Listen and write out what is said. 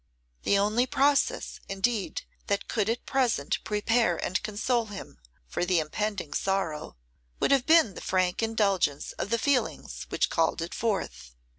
The only process, indeed, that could at present prepare and console him for the impending sorrow would have been the frank indulgence of the feelings which it called forth.